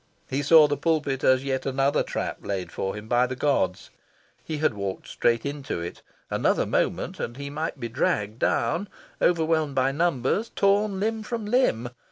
He saw the pulpit as yet another trap laid for him by the gods. He had walked straight into it: another moment, and he might be dragged down, overwhelmed by numbers, torn limb from limb.